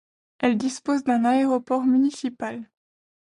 Elle dispose d'un aéroport municipal.